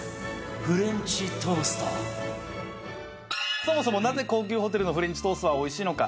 そもそもなぜ高級ホテルのフレンチトーストはおいしいのか。